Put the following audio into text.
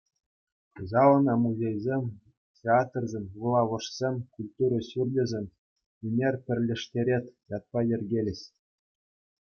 Кӑҫал ӑна музейсем, театрсем, вулавӑшсем, культура ҫурчӗсем «Ӳнер пӗрлештерет» ятпа йӗркелӗҫ.